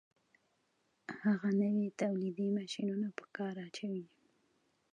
هغه نوي تولیدي ماشینونه په کار اچوي